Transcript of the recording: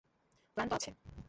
Plan তো আছে!